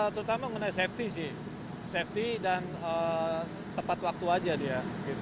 terutama mengenai safety sih safety dan tepat waktu aja dia